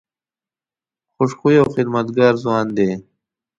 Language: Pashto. خوش خویه او خدمتګار ځوان دی.